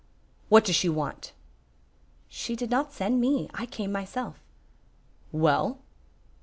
"What does she want?" "She did not send me, I came myself." "Well?"